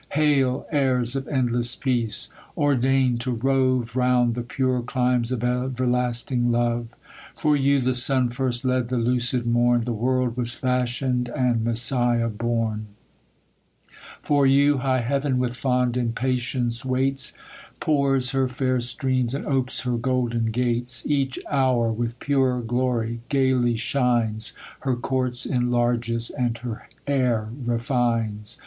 Hail, heirs of endless peace ! ordain'd to rove Round the pure climes of everlasting iove. For you the sun first led the lucid morn ; The world was iashion'd and Messiah t)orn ; For you high heavcu v/ith fond impatience waits, Paurs her tair streams, and opes her golden gates ;' Eac THE COLUMBIAN ORATOR. 171 Ji^ach hour, with purer glory, gaiiy shines, Her courts enlarges, and her air refines.